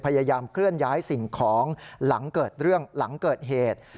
พยายามเคลื่อนย้ายสิ่งของหลังเกิดเรื่องหลังเกิดเหตุ